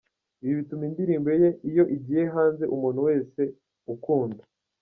Ibi bituma indirimbo ye, iyo igiye hanze umuntu wese ukunda.